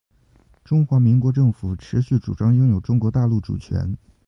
中华民国政府持续主张拥有中国大陆主权